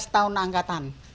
lima belas tahun angkatan